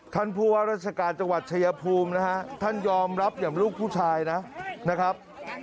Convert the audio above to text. ท่านผู้ว่าราชการจังหวัดชายภูมินะฮะท่านยอมรับอย่างลูกผู้ชายนะครับ